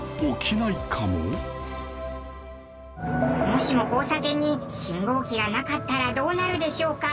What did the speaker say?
もしも交差点に信号機がなかったらどうなるでしょうか？